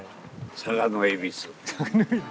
佐賀の恵比須。